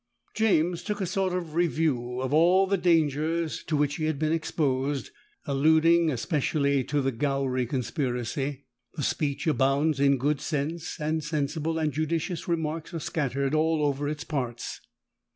James took a sort of review of all the dangers to which he had been exposed, alluding especially to the Gowry conspiracy. The speech abounds in good sense, and sensible and judicious remarks are scattered over all its parts.